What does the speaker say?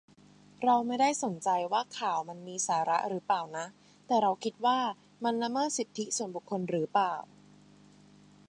เราไม่ได้สนใจว่าข่าวมันมีสาระรึเปล่าน่ะ แต่เราคิดว่ามันละเมิดสิทธิส่วนบุคคลหรือเปล่า